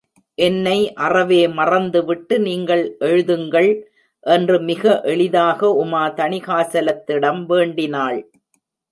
என்னை அறவே மறந்துவிட்டு நீங்கள் எழுதுங்கள்! என்று மிக எளிதாக உமா தணிகாசலத்திடம் வேண்டினாள்.